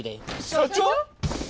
社長！？